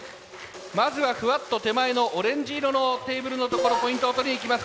まずはふわっと手前のオレンジ色のテーブルの所ポイントをとりにいきます。